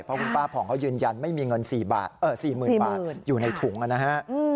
เพราะคุณป้าผ่องเขายืนยันไม่มีเงิน๔๐๐๐บาทอยู่ในถุงนะฮะ